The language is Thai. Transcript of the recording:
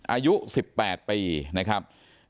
อายุ๑๘ปีนะครับ